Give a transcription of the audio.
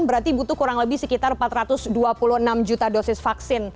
berarti butuh kurang lebih sekitar empat ratus dua puluh enam juta dosis vaksin